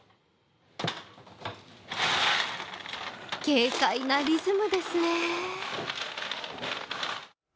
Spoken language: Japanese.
軽快なリズムですね。